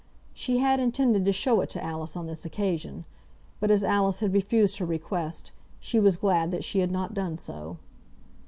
She had intended to show it to Alice on this occasion; but as Alice had refused her request, she was glad that she had not done so.